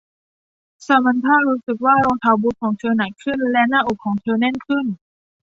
ซามานธารู้สึกว่ารองเท้าบูทของเธอหนักขึ้นและหน้าอกของเธอแน่นขึ้น